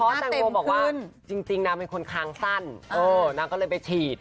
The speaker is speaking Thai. เพราะฉันกลัวบอกว่าจริงจริงน้ำเป็นคนคางสั้นเออน้ำก็เลยไปฉีด